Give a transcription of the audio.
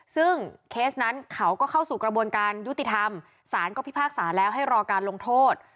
ซึ่งเคสนั้นเขาก็เข้าสู่กระบวนการยุติธรรมศาลก็พิพากษาแล้วให้รอการลงโทษ